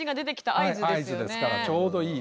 合図ですからちょうどいい。